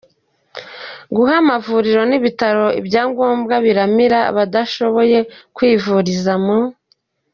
guha amavuliro n’ibitaro ibya ngombwa biramira abadashoboye kwivuliza mu